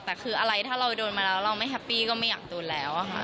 แต่คืออะไรถ้าเราโดนมาแล้วเราไม่แฮปปี้ก็ไม่อยากโดนแล้วค่ะ